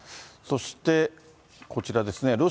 そして、こちらですね。